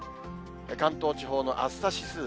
関東地方の暑さ指数。